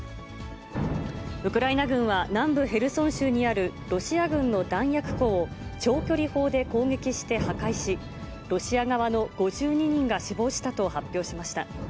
ウクライナ軍は、南部ヘルソン州にあるロシア軍の弾薬庫を、長距離砲で攻撃して破壊し、ロシア側の５２人が死亡したと発表しました。